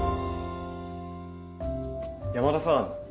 山田さん